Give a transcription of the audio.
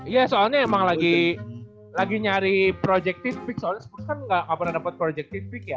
iya soalnya emang lagi nyari projective pick soalnya spurs kan gak pernah dapet projective pick ya